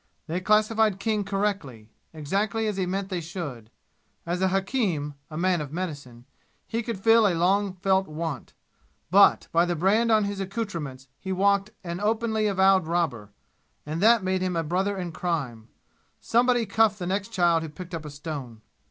They classified King correctly, exactly as he meant they should. As a hakim a man of medicine he could fill a long felt want; but by the brand on his accouterments he walked an openly avowed robber, and that made him a brother in crime. Somebody cuffed the next child who picked up a stone.